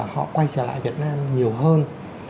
họ quay trở lại việt nam nhiều hơn